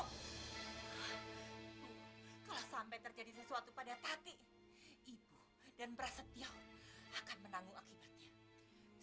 kalau sampai terjadi sesuatu pada hati ibu dan prasetyo akan menanggung akibatnya